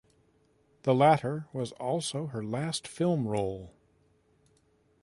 The latter was also her last film role.